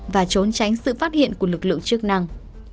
và trốn tránh sự phát hiện của lực lượng chức năng